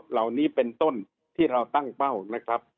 เหล่านี้เป็นต้นที่เราตั้งเป้านะครับ